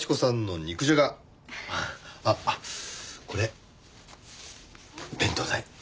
あっこれ弁当代。